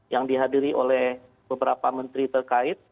yang dihadiri oleh beberapa menteri terkait